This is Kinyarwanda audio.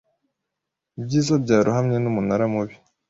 Ibyiza byarohamye n'umunara mubi